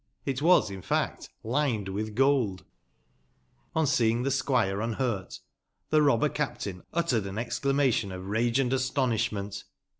It was, in tact, lined witb gold. On seeing tbe squire unburt, tbe robber captain uttered an exclamation of rage and astonisbment.